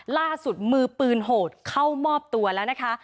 ล่าสุดมือปืนโหดเข้ามอบตัวแล้วนะคะ